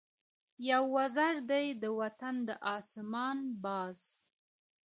یو وزر دی د وطن د آسمان ، باز